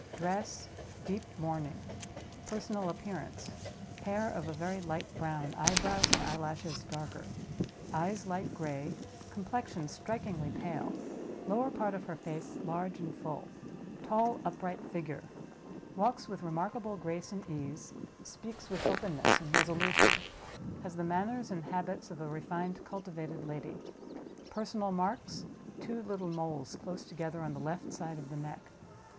Dress—deep mourning. Personal appearance—hair of a very light brown; eyebrows and eyelashes darker; eyes light gray; complexion strikingly pale; lower part of her face large and full; tall upright figure; walks with remarkable grace and ease; speaks with openness and resolution; has the manners and habits of a refined, cultivated lady. Personal marks—two little moles, close together, on the left side of the neck.